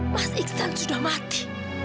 mas iksan sudah mati